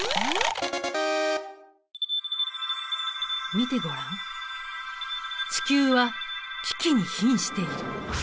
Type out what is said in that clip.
見てごらん地球は危機にひんしている。